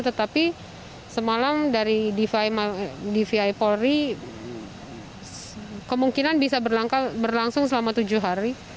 tetapi semalam dari dvi polri kemungkinan bisa berlangsung selama tujuh hari